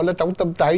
nó trong tâm tay